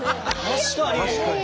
確かに。